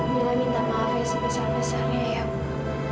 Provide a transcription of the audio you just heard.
mila minta maaf ya sebesar besarnya ya